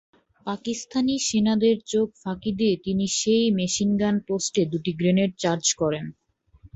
পাকিস্তানি সেনাদের চোখ ফাঁকি দিয়ে তিনি সেই মেশিনগান পোস্টে দুটি গ্রেনেড চার্জ করেন।